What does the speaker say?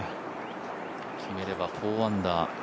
決めれば４アンダー。